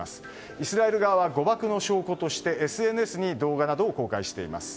イスラエル側は誤爆の証拠としてＳＮＳに動画などを公開しています。